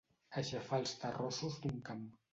Aixafar els terrossos d'un camp.